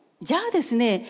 じゃあですね